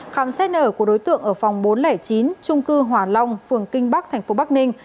khám xét nở của đối tượng ở phòng bốn trăm linh chín trung cư hòa long phường kinh bắc thành phố bắc ninh